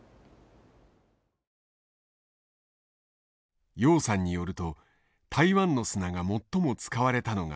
楊さんによると台湾の砂が最も使われたのが香港の空港。